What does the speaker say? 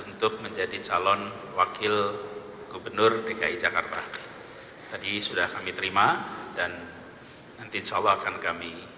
untuk menjadi calon wakil gubernur dki jakarta